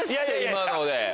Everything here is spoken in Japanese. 今ので。